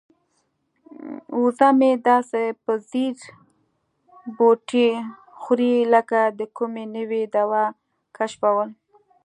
وزه مې داسې په ځیر بوټي خوري لکه د کومې نوې دوا کشفول.